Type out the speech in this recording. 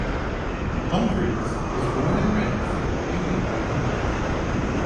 Humphreys was born and raised in Indiana.